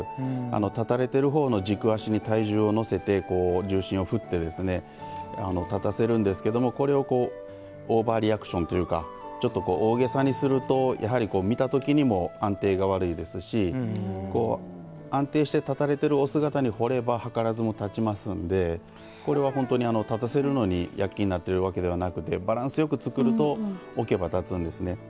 立たれてる方の軸足に体重を乗せて重心を振って立たせるんですけどもこれをオーバーリアクションというかちょっと大げさにするとやはり見た時にも安定が悪いですし安定して立たれてるお姿に図らずも立ちますんでこれは本当に立たせるのに躍起になっているわけではなくてバランスよく造ると置けば立つんですね。